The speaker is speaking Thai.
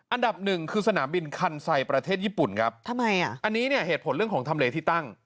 อันดับหนึ่งคือสนามบินคันไซประเทศญี่ปุ่นครับทำไมอ่ะอันนี้เนี่ยเหตุผลเรื่องของทำเลที่ตั้ง